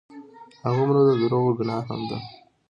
هغومره د دروغو ګناه هم ده.